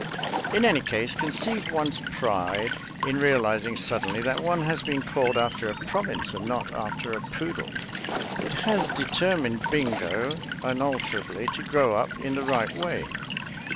In any case conceive one's pride in realizing suddenly that one has been called after a province and not after a poodle. It has determined Bingo unalterably to grow up in the right way.